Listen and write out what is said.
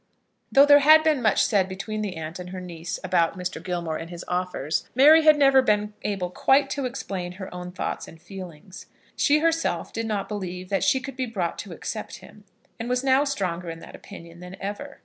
Though there had been much said between the aunt and her niece about Mr. Gilmore and his offers, Mary had never been able quite to explain her own thoughts and feelings. She herself did not believe that she could be brought to accept him, and was now stronger in that opinion than ever.